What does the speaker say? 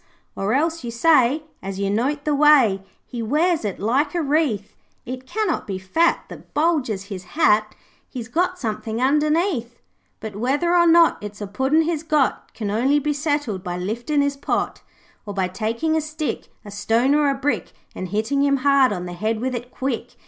'Or else you say, As you note the way He wears it like a wreath, "It cannot be fat That bulges his hat; He's got something underneath." 'But whether or not It's a Puddin' he's got Can only be settled by lifting his pot. Or by taking a stick, A stone or a brick, And hitting him hard on the head with it quick.